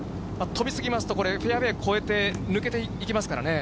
飛び過ぎますと、これ、フェアウエー越えて抜けていきますからね。